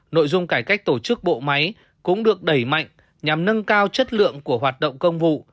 nội dung cải cách tổ chức bộ máy cũng được đẩy mạnh nhằm nâng cao chất lượng của hoạt động công vụ